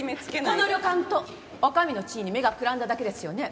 この旅館と女将の地位に目がくらんだだけですよね？